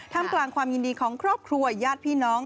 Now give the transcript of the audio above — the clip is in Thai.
กลางความยินดีของครอบครัวญาติพี่น้อง